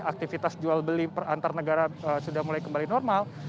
aktivitas jual beli antar negara sudah mulai kembali normal